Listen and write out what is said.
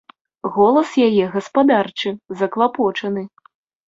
Голас яе гаспадарчы, заклапочаны.